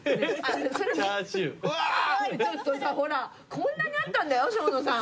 こんなにあったんだよ生野さん。